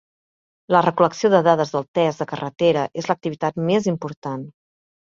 La recol·lecció de dades del test de carretera és l'activitat més important.